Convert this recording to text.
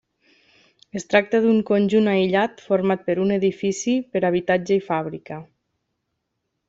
Es tracta d'un conjunt aïllat format per un edifici per habitatge i fàbrica.